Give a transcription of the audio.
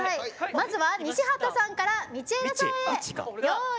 まずは西畑さんから道枝さんへ。